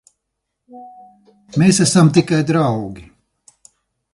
Mēs esam tikai draugi.